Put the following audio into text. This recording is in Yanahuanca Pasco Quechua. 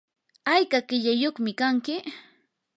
¿ayka qillayyuqmi kanki?